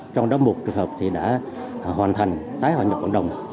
trong đó một trường hợp thì đã hoàn thành tái hòa nhập cộng đồng